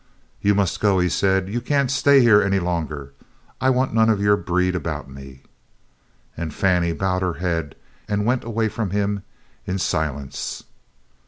"You must go," he said. "You can't stay here any longer. I want none of your breed about me." And Fannie bowed her head and went away from him in silence.